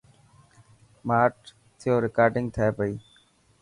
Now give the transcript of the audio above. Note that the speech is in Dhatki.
ماٺ ٿيو رڪارڊنگ ٿي پئي.